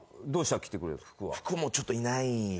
福もちょっといないので。